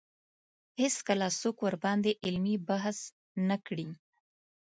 هېڅکله څوک ورباندې علمي بحث نه کړي